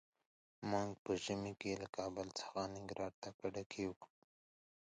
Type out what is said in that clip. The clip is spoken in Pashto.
موږ په ژمي کې له کابل څخه ننګرهار ته کډه کيږو.